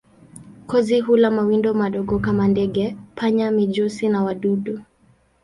Kozi hula mawindo madogo kama ndege, panya, mijusi na wadudu.